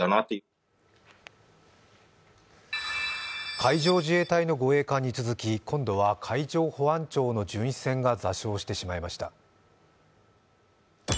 海上自衛隊の護衛艦に続き、今度は海上保安庁の巡視船が座礁してしまいました。